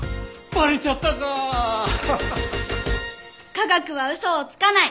科学は嘘をつかない！